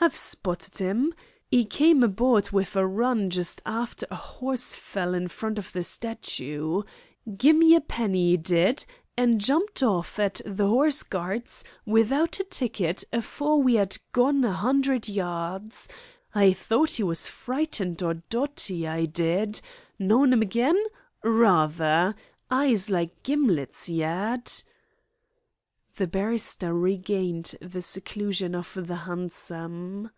"I've spotted 'im. 'E came aboard wiv a run just arter a hoss fell in front of the statoo. Gimme a penny, 'e did, an' jumped orf at the 'Orse Guards without a ticket afore we 'ad gone a 'undred yards. I thort 'e was frightened or dotty, I did. Know 'im agin? Ra ther. Eyes like gimlets, 'e 'ad." The barrister regained the seclusion of the hansom.